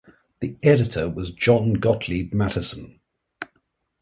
The editor was John Gotlieb Matteson.